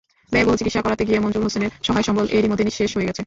ব্যয়বহুল চিকিৎসা করাতে গিয়ে মনজুর হোসেনের সহায়-সম্বল এরই মধ্যে নিঃশেষ হয়ে গেছে।